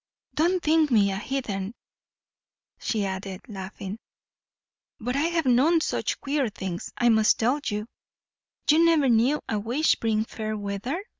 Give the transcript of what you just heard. Don't think me a heathen," she added, laughing; "but I have known such queer things. I must tell you " "You never knew a wish bring fair weather?"